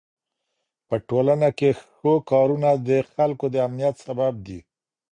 په ټولنه کې ښو کارونه د خلکو د امنيت سبب دي.